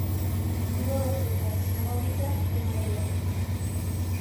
Tuvo dos hijas, Mónica y María.